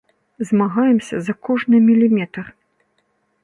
Змагаемся за кожны міліметр.